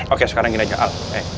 oke sekarang kita jalan